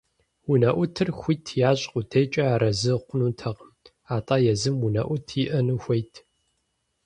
Унэӏутыр хуит ящӏ къудейкӏэ арэзы хъунутэкъым, атӏэ езым унэӏут иӏэну хуейт.